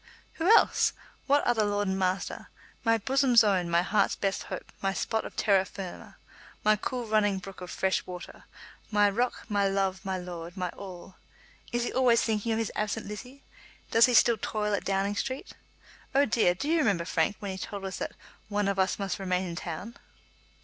"Who else? What other lord and master? My bosom's own; my heart's best hope; my spot of terra firma; my cool running brook of fresh water; my rock; my love; my lord; my all! Is he always thinking of his absent Lizzie? Does he still toil at Downing Street? Oh, dear; do you remember, Frank, when he told us that 'one of us must remain in town?'"